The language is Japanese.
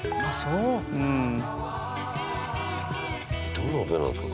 「どんなおでんなんですか？